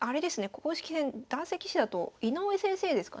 公式戦男性棋士だと井上先生ですかね。